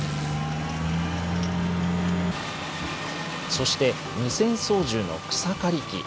そして、無線操縦の草刈り機。